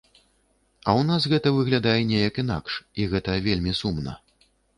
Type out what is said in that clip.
А ў нас гэта выглядае неяк інакш, і гэта вельмі сумна.